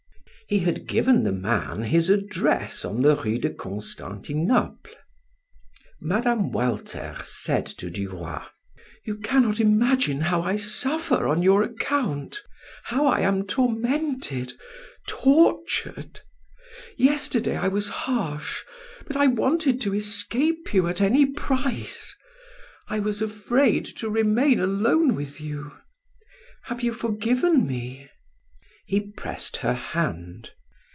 He had given the man his address on the Rue de Constantinople. Mme. Walter said to Du Roy: "You cannot imagine how I suffer on your account how I am tormented, tortured. Yesterday I was harsh, but I wanted to escape you at any price. I was afraid to remain alone with you. Have you forgiven me?" He pressed her hand.